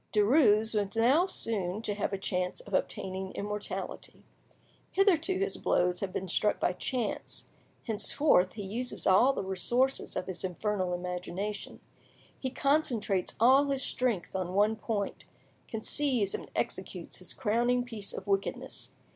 Derues was now soon to have a chance of obtaining immortality. Hitherto his blows had been struck by chance, henceforth he uses all the resources of his infernal imagination; he concentrates all his strength on one point—conceives and executes his crowning piece of wickedness.